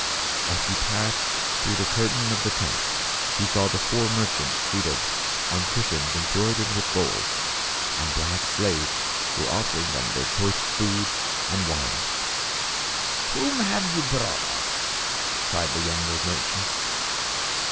As he passed through the curtain of the tent, he saw the four merchants seated on cushions embroidered with gold, and black slaves were offering them choice food and wines. " Whom have you brought us ?" cried the younger merchant.